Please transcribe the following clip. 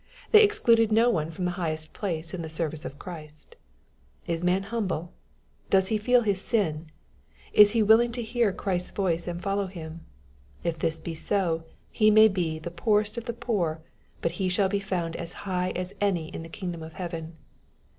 They exclude no one fix)m the highest place in the service of Christ. Is a man humble ? Does he feel his sins ? Is he willing to hear Christ's voice and follow Him ? If this be so, he may be the poorest of the poor, but he shall be found as high as any in the kingdom of heaven.